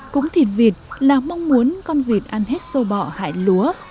cúng thịt vịt là mong muốn con vịt ăn hết sâu bọ hại lúa